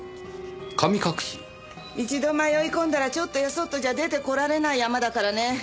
一度迷い込んだらちょっとやそっとじゃ出てこられない山だからね。